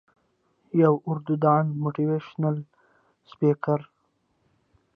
يو اردو دان موټيوېشنل سپيکر